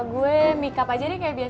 gue makeup aja nih kayak biasa